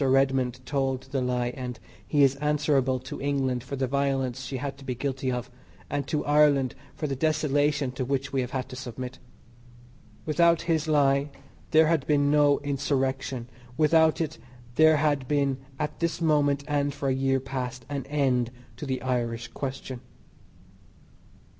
Redmond told the lie and he is answerable to England for the violence she had to be guilty of, and to Ireland for the desolation to which we have had to submit. Without his lie there had been no Insurrection; without it there had been at this moment, and for a year past, an end to the "Irish question."